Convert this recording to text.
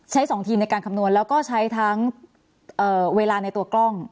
๒ทีมในการคำนวณแล้วก็ใช้ทั้งเวลาในตัวกล้อง